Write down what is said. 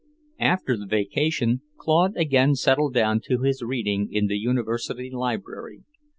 IX After the vacation Claude again settled down to his reading in the University Library.